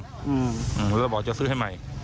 เรากำลังบอกจะซื้อให้ใหม่